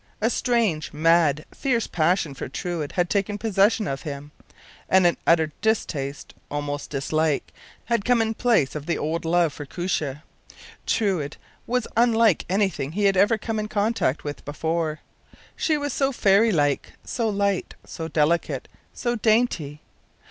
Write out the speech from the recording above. A strange, mad, fierce passion for Truide had taken possession of him, and an utter distaste, almost dislike, had come in place of the old love for Koosje. Truide was unlike anything he had ever come in contact with before; she was so fairy like, so light, so delicate, so dainty.